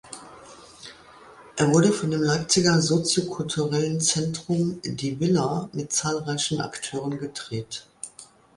Er wurde von dem Leipziger soziokulturellen Zentrum "Die Villa" mit zahlreichen Akteuren gedreht.